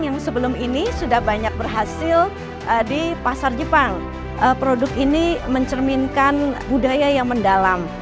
yang sebelum ini sudah banyak berhasil di pasar jepang produk ini mencerminkan budaya yang mendalam